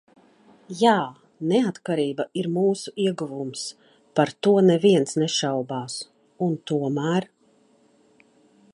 Jā – neatkarība ir mūsu ieguvums. Par to neviens nešaubās. Un tomēr...